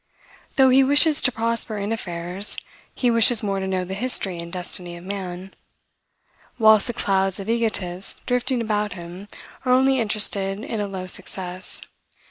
Though he wishes to prosper in affairs, he wishes more to know the history and destiny of man; whilst the clouds of egotists drifting about him are only interested in a low success.